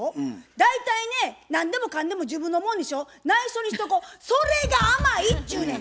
大体ね何でもかんでも自分のもんにしよ内緒にしとこそれが甘いっちゅうねん！